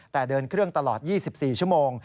แต่เดินเครื่องตลอด๒๔ชั่วโมง